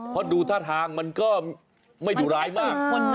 เพราะดูท่าทางมันก็ไม่ดุร้ายมาก